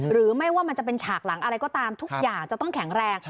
หรือว่ามันจะเป็นฉากหลังอะไรก็ตามทุกอย่างจะต้องแข็งแรง